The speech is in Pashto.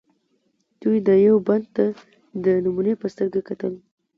دوی دیوبند ته د نمونې په سترګه کتل.